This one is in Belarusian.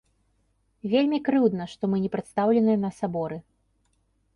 Вельмі крыўдна, што мы не прадстаўленыя на саборы.